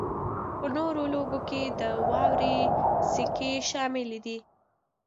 په نورو لوبو کې د واورې سکی شامل دی